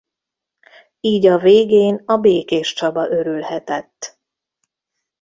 Így a végén a Békéscsaba örülhetett.